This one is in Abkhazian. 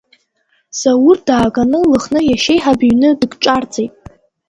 Заур дааганы Лыхны иашьеиҳаб иҩны дыкҿарҵеит.